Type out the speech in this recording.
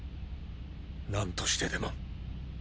何としてでも。